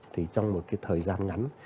thì trong một cái thời gian ngắn